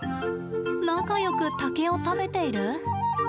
仲よく竹を食べている？